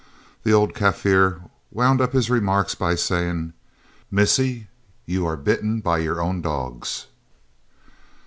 The old Kaffir wound up his remarks by saying: "Missis, you are bitten by your own dogs."